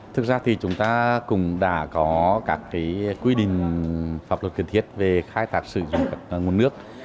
thực ra thì chúng ta cũng đã có các quy định pháp luật kiên thiết về khai thác sử dụng các nguồn nước